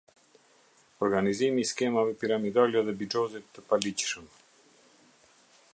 Organizimi i skemave piramidale dhe bixhozit të paligjshëm.